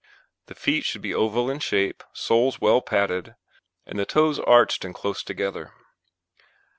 THE FEET should be oval in shape, soles well padded, and the toes arched and close together.